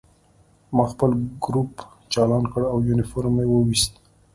ما خپل ګروپ چالان کړ او یونیفورم مې وویست